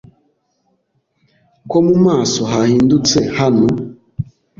Ko mu maso hahindutse hano